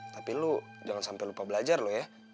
tapi lo jangan sampai lupa belajar ya